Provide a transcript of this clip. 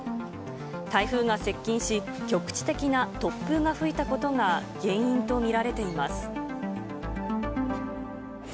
台風が接近し、局地的な突風が吹いたことが原因と見られています。